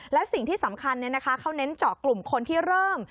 และสิ่งที่สำคัญเขาเน้นเจาะกลุ่มคนที่เริ่ม